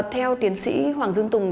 theo tiến sĩ hoàng dương tùng